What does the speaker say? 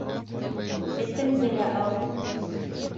Этеңде лә ал!